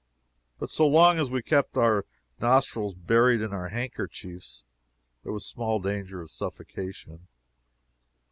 But so long as we kept our nostrils buried in our handkerchiefs, there was small danger of suffocation.